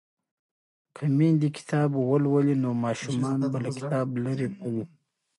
که میندې کتاب ولولي نو ماشومان به له کتابه لرې نه وي.